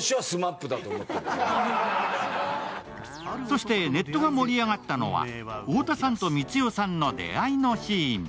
そしてネットが盛り上がったのは太田さんと光代さんの出会いのシーン。